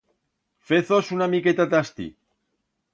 Fez-os una miqueta ta astí.